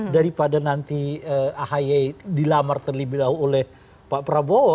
daripada nanti ahy dilamar terlebih dahulu oleh pak prabowo